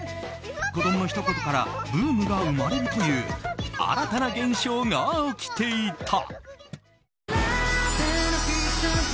子供のひと言からブームが生まれるという新たな現象が起きていた。